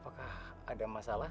apakah ada masalah